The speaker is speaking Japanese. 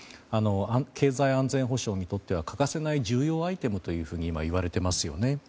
経済安全保障にとっては欠かせない重要アイテムと今、いわれていますよね。